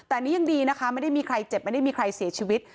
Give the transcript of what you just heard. แต่นี่ยังดีนะคะไม่ได้มีใครเจ็บไม่ได้มีใครเสียชีวิต